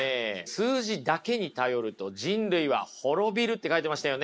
数字だけに頼ると人類は滅びるって書いてましたよね。